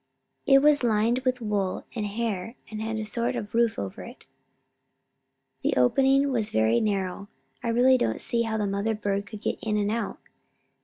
"It was lined with wool and hair and had a sort of roof over it. The opening was very narrow; I really don't see how the mother bird could get in and out."